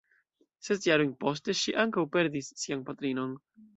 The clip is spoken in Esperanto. Ses jarojn poste, ŝi ankaŭ perdis sian patrinon.